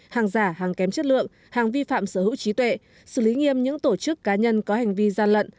hàng giả hàng kém chất lượng hàng vi phạm sở hữu trí tuệ xử lý nghiêm những tổ chức cá nhân có hành vi gian lận